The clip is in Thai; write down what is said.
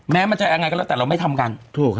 มันจะยังไงก็แล้วแต่เราไม่ทำกันถูก